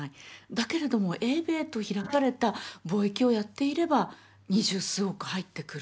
だけれども英米と開かれた貿易をやっていれば二十数億入ってくる。